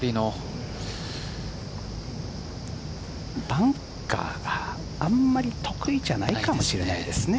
バンカーがあんまり得意じゃないかもしれないですね。